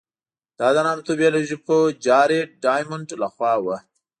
دا د نامتو بیولوژي پوه جارېډ ډایمونډ له خوا وه.